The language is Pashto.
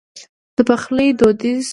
د پخلي دوديز